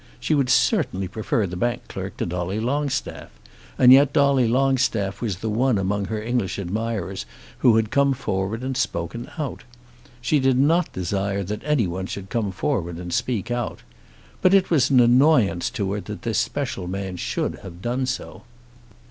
She would certainly prefer the bank clerk to Dolly Longstaff. And yet Dolly Longstaff was the one among her English admirers who had come forward and spoken out. She did not desire that any one should come forward and speak out. But it was an annoyance to her that this special man should have done so.